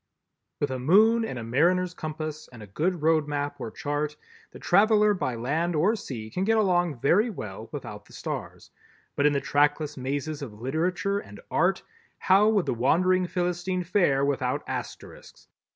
With a moon and a mariner's compass and a good road map or chart, the traveler by land or sea can get along very well without the stars, but in the trackless mazes of literature and art, how would the wandering Philistine fare without Asterisks?